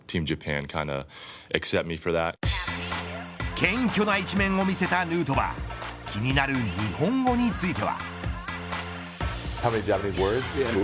謙虚な一面を見せたヌートバー気になる日本語については。